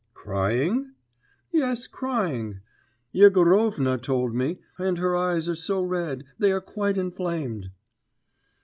'Crying?' 'Yes, crying ... Yegorovna told me, and her eyes are so red, they are quite in inflamed....